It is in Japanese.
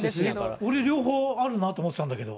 俺、両方あるなと思ってたんだけど。